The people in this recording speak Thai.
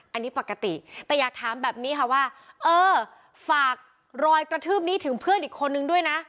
อันนี้ปกติแต่อยากถามแบบนี้ค่ะว่าเออฝากรอยกระทืบนี้ถึงเพื่อนอีกคนนึงด้วยนะ